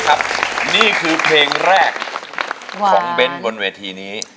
นี่คือเพลงแรกของเบ้นบนเวทีนี้